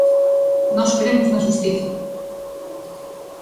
Nós cremos na xustiza.